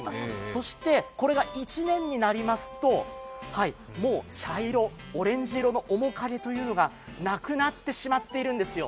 そしてこれが１年になりますともう茶色オレンジ色の面影というのがなくなってしまっているんですよ。